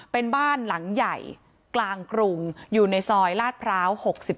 เป็นบ้านหลังใหญ่กลางกรุงอยู่ในซอยลาดพร้าว๖๒